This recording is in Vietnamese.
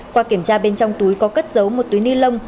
qua kiểm tra bên trong túi có cất giấu một túi ni lông